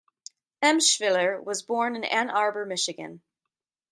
Emshwiller was born in Ann Arbor, Michigan.